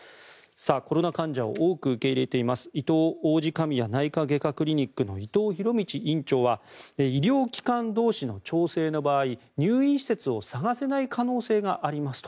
コロナ患者を多く受け入れていますいとう王子神谷内科外科クリニックの伊藤博道院長は医療機関同士の調整の場合入院施設を探せない可能性がありますと。